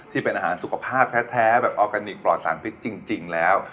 ที่เป็นอาหารสุขภาพแท้แบบออร์แกนิคปลอดสารพิษจริงแล้ว